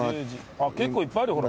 結構いっぱいあるよほら。